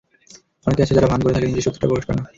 অনেকে আছে যারা ভান করে থাকে, নিজের সত্যিটা প্রকাশ করে না।